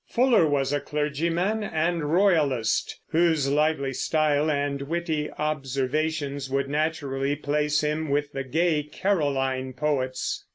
Fuller was a clergyman and royalist whose lively style and witty observations would naturally place him with the gay Caroline poets.